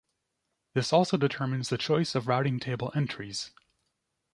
This also determines the choice of routing table entries.